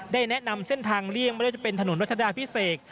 แนะนำเส้นทางเลี่ยงไม่ว่าจะเป็นถนนรัชดาพิเศษ